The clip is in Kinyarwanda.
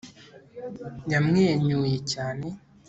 yamwenyuye cyane